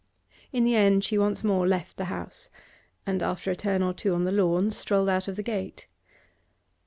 In the end she once more left the house, and, after a turn or two on the lawn, strolled out of the gate.